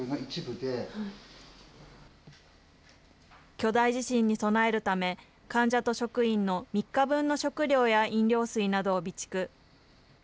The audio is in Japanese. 巨大地震に備えるため、患者と職員の３日分の食料や飲料水などを備蓄。